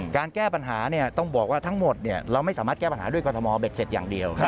แก้ปัญหาต้องบอกว่าทั้งหมดเราไม่สามารถแก้ปัญหาด้วยกรทมเบ็ดเสร็จอย่างเดียว